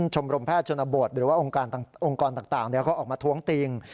ชมรมแพทย์ชนบทหรือว่าองค์กรต่างเขาออกมาท้วงติง